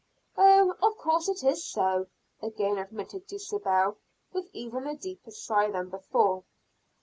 "Oh, of course, it is so," again admitted Dulcibel with even a deeper sigh than before.